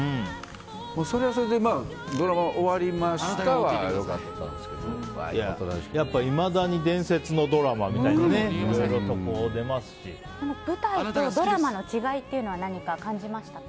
それはそれでドラマ終わりましたはやっぱいまだに伝説のドラマみたいに舞台とドラマの違いっていうのは何か感じましたか？